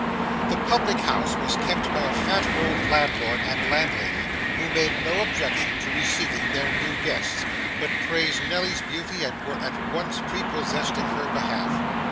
The public house was kept by a fat old landlord and landlady who made no objection to receiving their new guests, but praised Nelly's beauty and were at once prepossessed in her behalf.